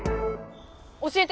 教えて。